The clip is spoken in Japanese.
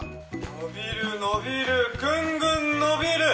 伸びる伸びるグングン伸びる！